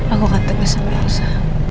aku akan tegas sama elsa